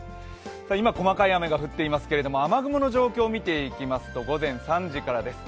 今、細かい雨が降っていますけれども、雨雲の状況見ていきますと午前３時からです。